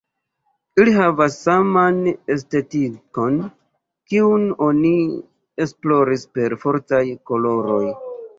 Ili havas saman estetikon, kiun oni esploris per fortaj koloroj.